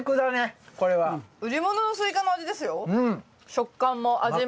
食感も味も。